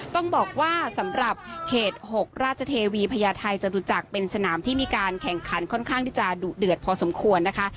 ต้องบอกว่าสำหรับเขต๖ราชเทวีพญาไทยจตุจักรเป็นสนามที่มีการแข่งขันค่อนข้างที่จะดุเดือดพอสมควรนะคะ